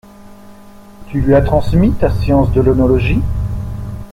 Tu lui as transmis ta science de l’œnologie?